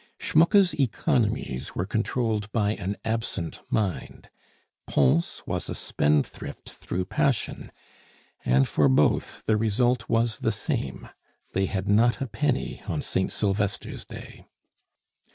Schmucke's economies were controlled by an absent mind, Pons was a spendthrift through passion, and for both the result was the same they had not a penny on Saint Sylvester's day.